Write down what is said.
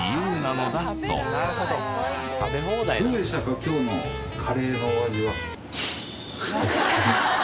今日のカレーのお味は。